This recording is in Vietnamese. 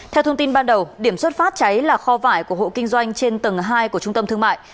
theo thông tin ban đầu điểm xuất phát cháy là kho vải của hộ kinh doanh trên tầng hai của trung tâm thương mại